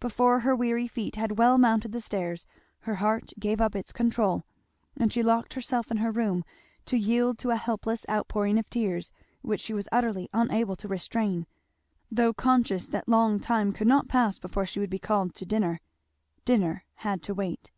Before her weary feet had well mounted the stairs her heart gave up its control; and she locked herself in her room to yield to a helpless outpouring of tears which she was utterly unable to restrain, though conscious that long time could not pass before she would be called to dinner. Dinner had to wait.